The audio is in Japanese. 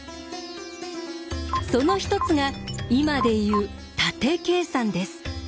その一つが今で言う縦計算です。